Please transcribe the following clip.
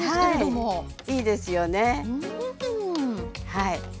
はい。